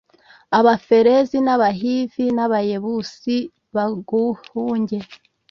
Abaferizi n Abahivi n Abayebusi baguhunge